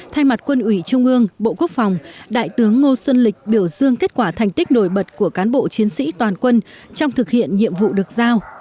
thay mặt quân ủy trung ương bộ quốc phòng đại tướng ngô xuân lịch biểu dương kết quả thành tích nổi bật của cán bộ chiến sĩ toàn quân trong thực hiện nhiệm vụ được giao